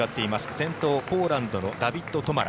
先頭、ポーランドのダビッド・トマラ。